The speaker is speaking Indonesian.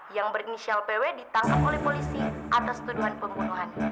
yang berinisial pw ditangkap oleh polisi atas tuduhan pembunuhan